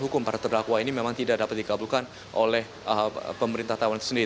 hukum para terdakwa ini memang tidak dapat dikabulkan oleh pemerintah taiwan sendiri